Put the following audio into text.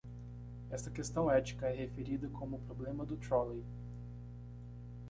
Esta questão ética é referida como o problema do trolley.